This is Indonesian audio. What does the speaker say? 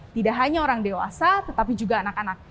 tidak hanya orang dewasa tetapi juga anak anak